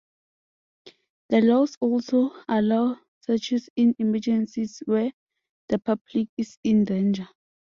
The laws also allow searches in emergencies where the public is in danger.